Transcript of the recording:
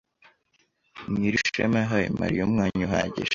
Nyirishema yahaye Mariya umwanya uhagije.